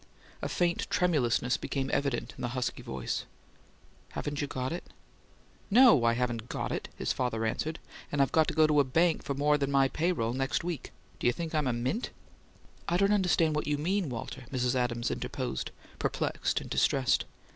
A faint tremulousness became evident in the husky voice. "Haven't you got it?" "NO, I haven't got it!" his father answered. "And I've got to go to a bank for more than my pay roll next week. Do you think I'm a mint?" "I don't understand what you mean, Walter," Mrs. Adams interposed, perplexed and distressed.